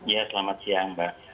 ya selamat siang mbak